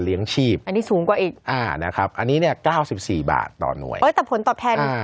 ชีพอันนี้สูงกว่าอีกอ่านะครับอันนี้เนี่ย๙๔บาทต่อหน่วยแต่ผลตอบแทน